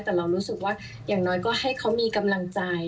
แต่เรารู้สึกว่าอย่างน้อยก็ให้เขามีกำลังใจ